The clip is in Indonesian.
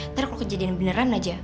ntar kalau kejadian beneran aja